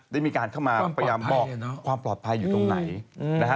ได้มีการเข้ามาพยายามบอกความปลอดภัยอยู่ตรงไหนนะฮะ